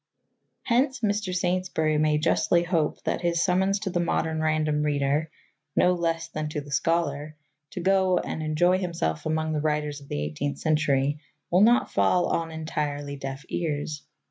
Hence Mr. Saintsbury may justly hope that his summons to the modern random reader, no less than to the scholar, to go and enjoy himself among the writers of the eighteenth century will not fall on entirely deaf ears.